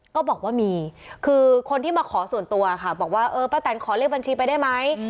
ก็บอกว่ามีคือคนที่มาขอส่วนตัวค่ะบอกว่าเออป้าแตนขอเลขบัญชีไปได้ไหม